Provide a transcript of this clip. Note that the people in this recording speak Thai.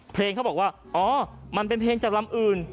เพลงเขาบอกว่าอ๋อมันเป็นเพลงจากลำอื่น